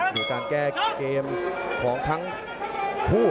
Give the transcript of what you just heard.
ต้องตามแก้เกมของทั้งคู่